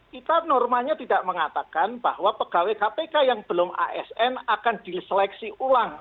kita normanya tidak mengatakan bahwa pegawai kpk yang belum asn akan diseleksi ulang